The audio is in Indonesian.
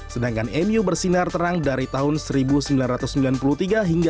sedangkan mu bersinar terang dari tahun seribu sembilan ratus sembilan puluh tiga hingga dua ribu tiga belas